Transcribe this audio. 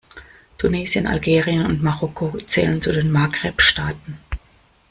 Tunesien, Algerien und Marokko zählen zu den Maghreb-Staaten.